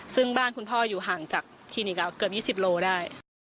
ซึ่งบ้านคุณพ่ออยู่ห่างจากคลินิกเกือบ๒๐โลได้